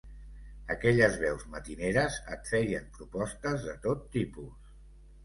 Aquelles veus matineres et feien propostes de tot tipus.